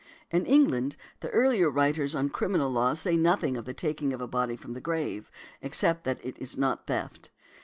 In England, the earlier writers on criminal law say nothing of the taking of a body from the grave, except that it is not theft.